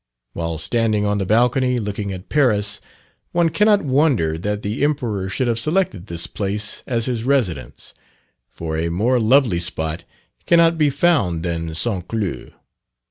While standing on the balcony looking at Paris one cannot wonder that the Emperor should have selected this place as his residence, for a more lovely spot cannot be found than St. Cloud.